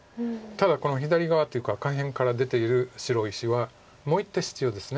ただ左側っていうか下辺から出ている白石はもう１手必要です。